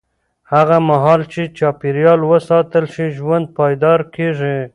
هغه مهال چې چاپېریال وساتل شي، ژوند پایدار کېږي.